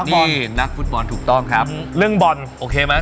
นี่นักฟุตบอลถูกต้องครับเรื่องบอลโอเคไหม